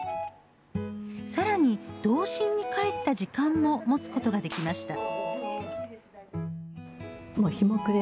さらに童心に返った時間も持つことができました。